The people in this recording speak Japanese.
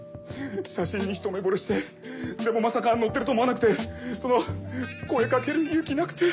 写真にひと目ぼれしてでもまさか乗ってると思わなくてその声掛ける勇気なくて。